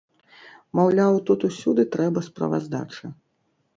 Маўляў, тут усюды трэба справаздача.